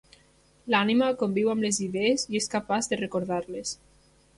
L'ànima conviu amb les idees, i és capaç de recordar-les.